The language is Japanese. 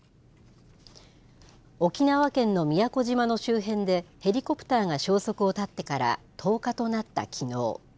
沖縄県の宮古島の周辺で、ヘリコプターが消息を絶ってから１０日となったきのう。